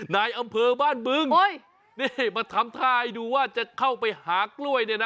นายอำเภอบ้านบึงนี่มาทำท่าให้ดูว่าจะเข้าไปหากล้วยเนี่ยนะ